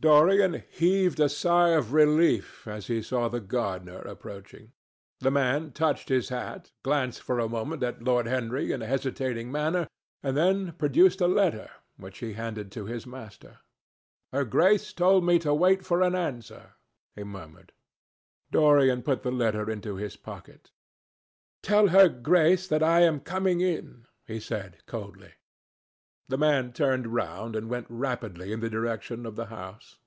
Dorian heaved a sigh of relief as he saw the gardener approaching. The man touched his hat, glanced for a moment at Lord Henry in a hesitating manner, and then produced a letter, which he handed to his master. "Her Grace told me to wait for an answer," he murmured. Dorian put the letter into his pocket. "Tell her Grace that I am coming in," he said, coldly. The man turned round and went rapidly in the direction of the house.